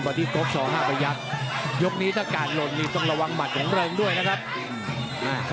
เพิ่มกับเกมการชกเห็นไหม